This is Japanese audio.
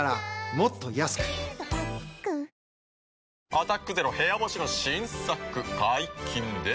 「アタックＺＥＲＯ部屋干し」の新作解禁です。